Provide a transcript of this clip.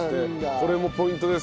これもポイントです。